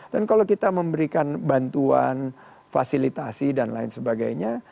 dan kalau kita memberikan bantuan fasilitasi dan lain sebagainya